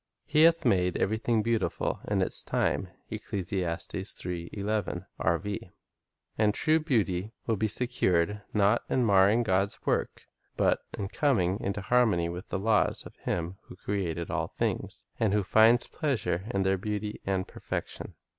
"He hath made everything beautiful in its time;" and true beauty will be secured, not in marring God's work, but in coming into harmony with the laws of Him who created all things, and who finds pleasure in their beauty and perfection.